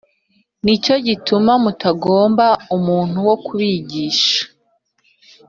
ni cyo gituma mutagomba umuntu wo kubigisha: